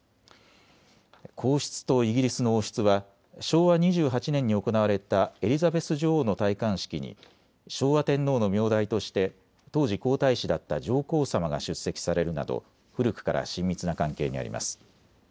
皇室とイギリスの王室は昭和２８年に行われたエリザベス女王の戴冠式に昭和天皇の名代として当時皇太子だった上皇さまが出席されるなど古くから親密な関係にあります。